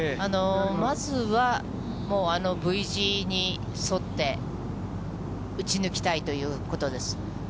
まずは、もうあのＶ字に沿って、打ち抜きたいということです。